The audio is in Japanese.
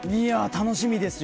楽しみですよ